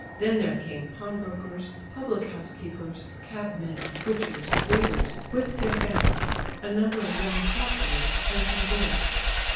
Then there came pawnbrokers, public house keepers, cabmen, butchers, waiters, with their families, a number of young shop boys and some girls.